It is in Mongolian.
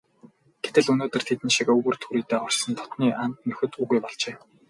Гэтэл өнөөдөр тэдэн шиг өвөр түрийдээ орсон дотнын анд нөхөд үгүй болжээ.